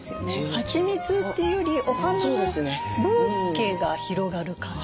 はちみつというよりお花のブーケが広がる感じです。